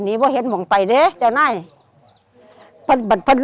หนูหาไม่เจอ